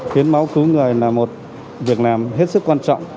hiến máu cứu người là một việc làm hết sức quan trọng